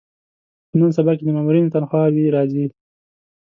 په نن سبا کې د مامورینو تنخوا وې راځي.